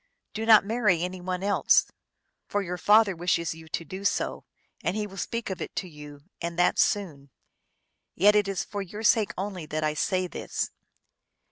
Do not marry any one else. For your father wishes you to do so, and he will speak of it to you, and that soon. Yet it is for your sake only that I say this."